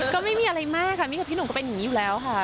ก็ไม่มีอะไรมากค่ะมี่กับพี่หนุ่มก็เป็นอย่างนี้อยู่แล้วค่ะ